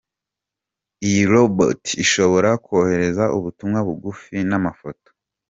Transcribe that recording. Iyi robot ishobora kohereza ubutumwa bugufi n’amafoto.